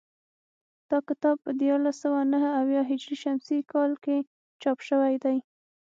دا کتاب په دیارلس سوه نهه اویا هجري شمسي کال کې چاپ شوی دی